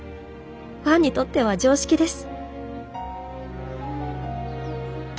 ファンにとっては常識です